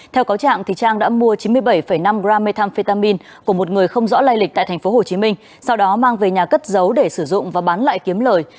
theo cáo trạng trang đã mua chín mươi bảy năm gram methamphetamine của một người không rõ lai lịch tại tp hcm sau đó mang về nhà cất giấu để sử dụng và bán lại kiếm lời